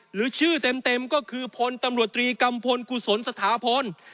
หรือชื่อเต็มก็คือพลตำรวจตรีกัมพลกุศลสถาพล